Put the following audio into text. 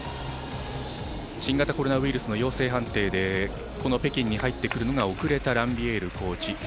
新型コロナウイルスの陽性判定でこの北京に入ってくるのが遅れたランビエールコーチ。